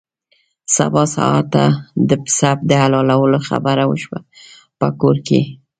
سبا سهار ته د پسه د حلالولو خبره وشوه په کور کې.